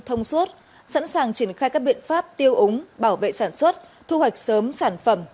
thông suốt sẵn sàng triển khai các biện pháp tiêu úng bảo vệ sản xuất thu hoạch sớm sản phẩm